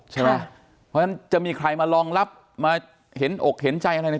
ใช่ไหมเพราะฉะนั้นจะมีใครมารองรับมาเห็นอกเห็นใจอะไรใน